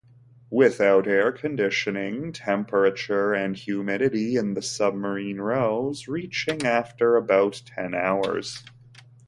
Without air-conditioning, temperature and humidity in the submarine rose, reaching after about ten hours.